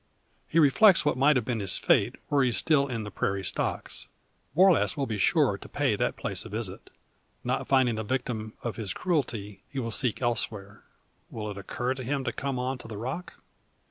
He reflects what might have been his fate were he still in the prairie stocks. Borlasse will be sure to pay that place a visit. Not finding the victim of his cruelty, he will seek elsewhere. Will it occur to him to come on to the rock?